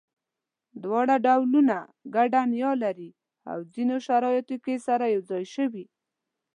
دواړه ډولونه ګډه نیا لري او ځینو شرایطو کې سره یو ځای شوي.